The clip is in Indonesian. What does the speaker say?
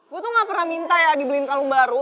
gue tuh gak pernah minta ya dibeliin kalung baru